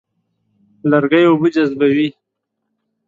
لرګی اوبه جذبوي.